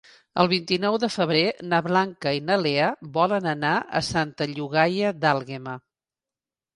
El vint-i-nou de febrer na Blanca i na Lea volen anar a Santa Llogaia d'Àlguema.